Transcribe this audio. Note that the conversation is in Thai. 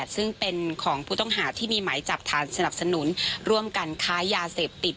ซึ่งเป็นของผู้ต้องหาที่มีหมายจับฐานสนับสนุนร่วมกันค้ายาเสพติด